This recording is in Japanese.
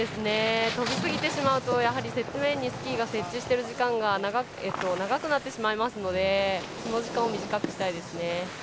とびすぎてしまうと雪面にスキーが設置している時間長くなってしまいますのでその時間を短くしたいですね。